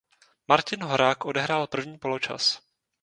Martin Horák odehrál první poločas.